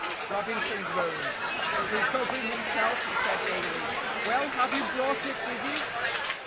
Robinson groaned; but, recovering himself, he said gayly: "Well, have you brought it with you?"